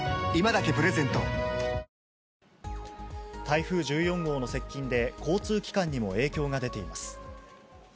台風１４号の接近で、交通機関にも影響が出ています。